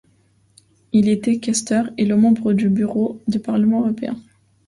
Il était questeur et membre du Bureau du Parlement européen.